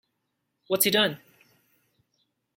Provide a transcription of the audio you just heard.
What's he done?